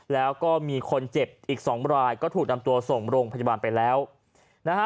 แล้วก็มีคนเจ็บอีกสองรายก็ถูกนำตัวส่งโรงพยาบาลไปแล้วนะฮะ